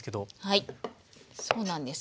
はいそうなんです。